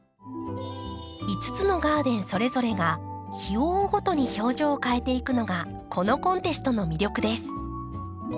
５つのガーデンそれぞれが日を追うごとに表情を変えていくのがこのコンテストの魅力です。